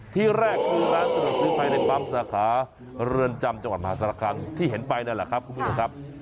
ที่แรกคือร้านสะดวกซื้อภายในปั๊มสาขาเรือนจำจังหวัดมหาศาลคังที่เห็นไปนั่นแหละครับคุณผู้ชมครับ